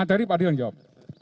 materi pak dir yang jawab